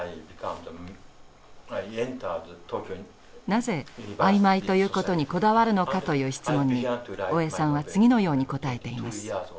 なぜあいまいということにこだわるのかという質問に大江さんは次のように答えています。